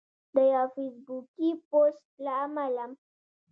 د یو فیسبوکي پوسټ له امله